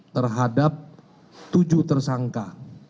terhadap tujuh tersangka